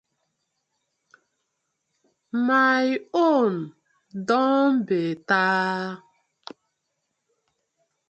My own don better.